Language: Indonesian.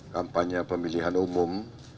kampanye pemilihan umum